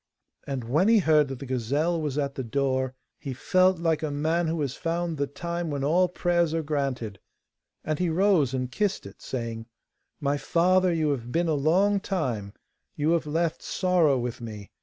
And when he heard that the gazelle was at the door he felt like a man who has found the time when all prayers are granted, and he rose and kissed it, saying: 'My father, you have been a long time; you have left sorrow with me.